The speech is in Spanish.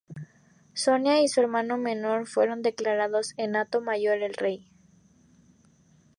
Sonia y su hermano menor fueron declarados en Hato Mayor del Rey.